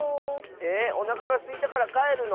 えおなかがすいたからかえるの？